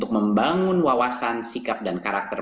membangun wawasan sikap dan karakter